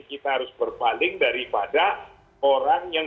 kita harus berpaling daripada orang yang